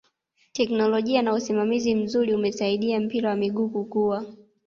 teknolojia na usimamizi mzuri umesaidia mpira wa miguu kukua